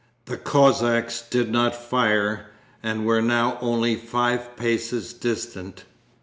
The Cossacks did not fire and were now only five paces distant.